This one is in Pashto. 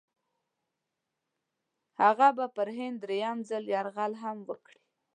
هغه به پر هند درېم ځل یرغل هم وکړي.